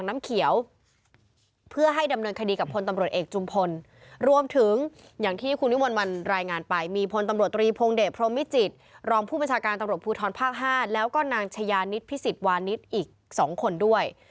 มีพลตำรวจรีพงฎพรมิจิตรรองผู้บัญชาการตำรวจภูทรภาคห้าแล้วก็นางชยานิตพิสิทธิ์วานิตอีก๒คนด้วย